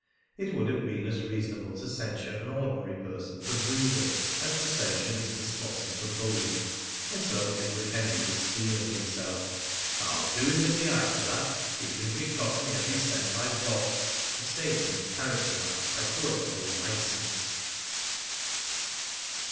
It would have been as reasonable to censure an ordinary person for breathing as to censure Mr. Slosson for bullying. And so Edward Henry was steeling himself: "I'll do him in the eye for that, even if it costs me every cent I've got." (A statement characterised by poetical licence!)